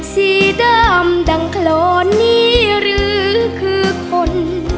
สีดำดังโคลอนนี่หรือคือคน